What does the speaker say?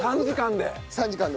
３時間で！？